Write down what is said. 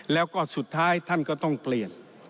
แล้วก็สุดท้ายท่านก็ต้องเปลี่ยน